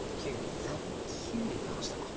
金で行きましたか。